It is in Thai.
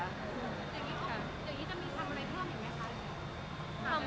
เดี๋ยวนี้จะมีทำอะไรเพิ่มอย่างไรคะ